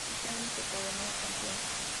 Ese año se coronó campeón.